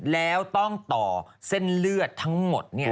แล้วต้องต่อเส้นเลือดทั้งหมด